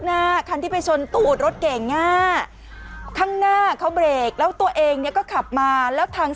หน้าคันที่ไปชนตูดรถเก่งอ่ะข้างหน้าเขาเบรกแล้วตัวเองเนี่ยก็ขับมาแล้วทาง